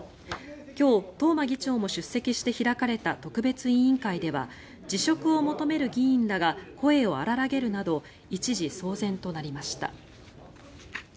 今日、東間議長も出席して開かれた特別委員会では辞職を求める議員らが声を荒らげるなど一時、騒然となりました。